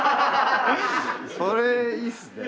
それいいっすね。